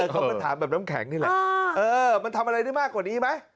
เขาก็ถามแบบน้ำแข็งนี่แหละมันทำอะไรได้มากกว่านี้ไหม